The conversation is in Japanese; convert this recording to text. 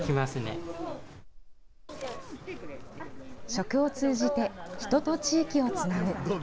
食を通じて人と地域をつなぐ。